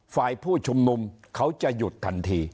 ฝ่ายผู้ชุมนุมเขาจะหยุดทันที